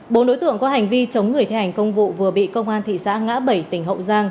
bốn đối tượng có hành vi chống người thi hành công vụ vừa bị công an thị xã ngã bảy tỉnh hậu giang